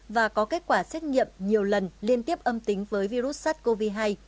và có kết quả xét nghiệm nhiều lần liên tiếp âm tính với virus sars cov hai